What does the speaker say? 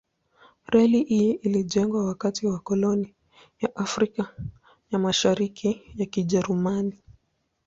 Reli hii ilijengwa wakati wa koloni ya Afrika ya Mashariki ya Kijerumani.